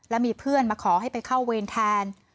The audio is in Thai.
และมีเพื่อนมาขอให้ไปเข้าเวรแทน